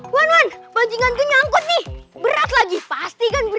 wangi magnetnya angkuni ber practicalasti mdr